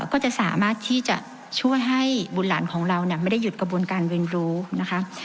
ก็จะสามารถที่จะช่วยให้บุตรหลานของเราไม่ได้หยุดกระบวนการเรียนรู้นะคะ